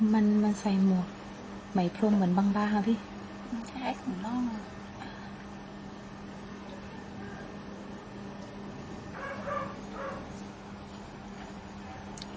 มันมันใส่หมวกไหมพรมเหมือนบางบาหรอพี่มันใช้ของน่า